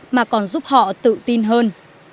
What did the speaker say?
mà còn giúp họ tự tin hơn